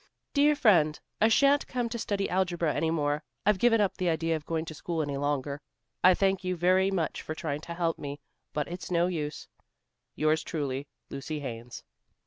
"Dear Friend: I shan't come to study algebra any more. I've given up the idea of going to school any longer. I thank you very much for trying to help me, but it's no use. "Yours truly, "Lucy Haines."